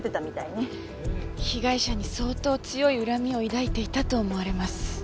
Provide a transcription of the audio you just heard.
被害者に相当強い恨みを抱いていたと思われます。